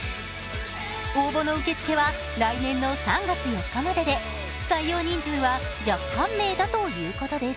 応募の受付は来年の３月４日までで採用人数は若干名だということです。